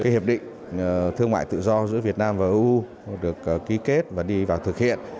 hiệp định thương mại tự do giữa việt nam và eu được ký kết và đi vào thực hiện